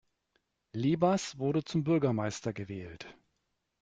Lebas wurde zum Bürgermeister gewählt.